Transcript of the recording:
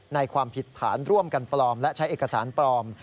ความผิดฐานร่วมกันปลอมและใช้เอกสารปลอม